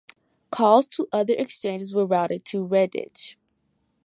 Calls to other exchanges were routed via Redditch.